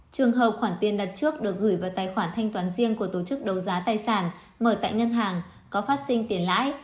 trường hợp khoản tiền đặt trước được gửi vào tài khoản thanh toán riêng của tổ chức đấu giá tài sản mở tại ngân hàng có phát sinh tiền lãi